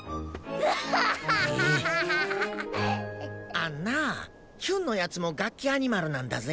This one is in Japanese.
あんなあヒュンのやつもガッキアニマルなんだぜ？